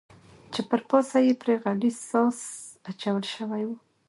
چې پر پاسه یې پرې غلیظ ساس اچول شوی و.